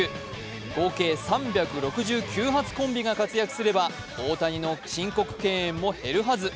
合計３６９発コンビが活躍すれば大谷の申告敬遠も減るはず。